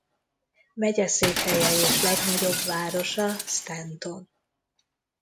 Megyeszékhelye és legnagyobb városa Stanton.